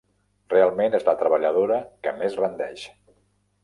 Realment és la treballadora que més rendeix.